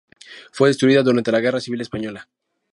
Fue destruida durante la Guerra Civil española.